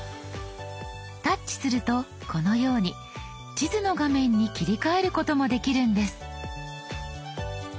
タッチするとこのように地図の画面に切り替えることもできるんです。